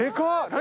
何？